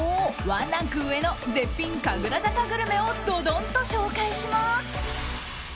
ワンランク上の絶品、神楽坂グルメをドドンッと紹介します！